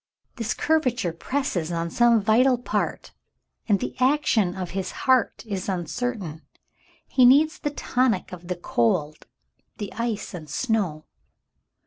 This curva ture presses on some vital part, and the action of his heart is uncertain. He needs the tonic of the cold, — the ice and snow.